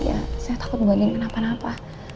iya saya takut buat dia ngenapa napa